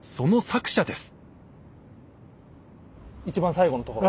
一番最後のところ？